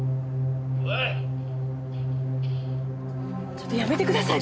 ちょっとやめてください。